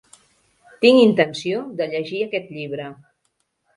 Tinc intenció de llegir aquest llibre.